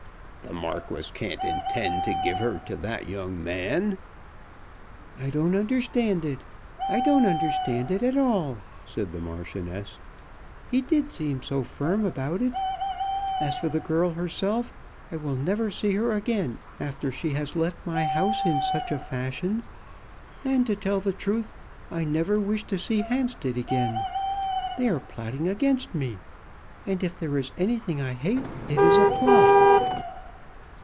"The Marquis can't intend to give her to that young man!" "I don't understand it. I don't understand it at all," said the Marchioness. "He did seem so firm about it. As for the girl herself, I will never see her again after she has left my house in such a fashion. And, to tell the truth, I never wish to see Hampstead again. They are plotting against me; and if there is anything I hate it is a plot."